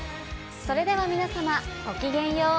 それでは皆さまごきげんよう。